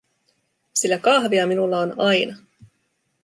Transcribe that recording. Sillä kahvia minulla on aina.